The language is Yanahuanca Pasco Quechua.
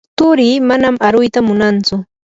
turii manan aruyta munantsu.